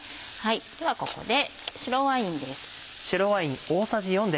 ではここで白ワインです。